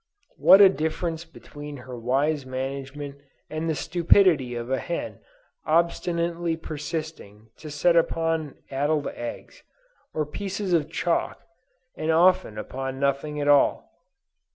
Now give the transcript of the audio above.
What a difference between her wise management and the stupidity of a hen obstinately persisting to set upon addled eggs, or pieces of chalk, and often upon nothing at all.